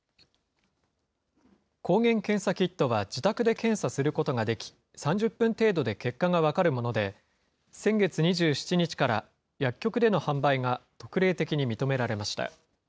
抗原検査キットは自宅で検査することができ、３０分程度で結果が分かるもので、先月２７日から薬局での販売が特例的に認められました。